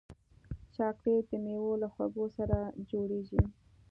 چاکلېټ د میوو له خوږو سره جوړېږي.